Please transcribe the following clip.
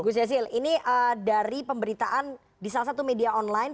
gus jazil ini dari pemberitaan di salah satu media online